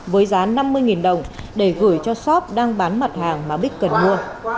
với giá năm mươi đồng để gửi cho shop đang bán mặt hàng mà bích cần mua